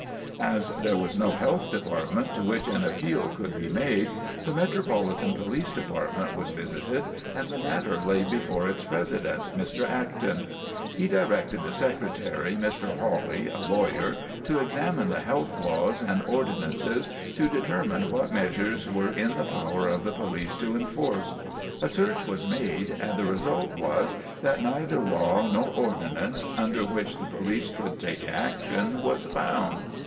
As there was no Health Department to which an appeal could be made, the Metropolitan Police Department was visited and the matter laid before its president, Mr. Acton. He directed the secretary, Mr. Hawley, a lawyer, to examine the health laws and ordinances to determine what measures were in the power of the police to enforce. A search was made, and the result was that neither law nor ordinance under which the police could take action was found.